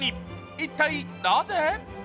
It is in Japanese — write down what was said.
一体なぜ？